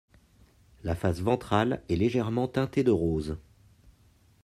La face ventrale est légèrement teintée de rose.